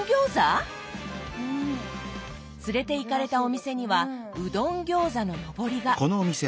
連れていかれたお店には「うどんギョーザ」ののぼりが。